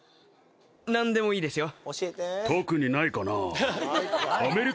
何でもいいですよ